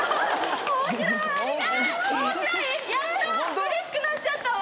うれしくなっちゃったわ。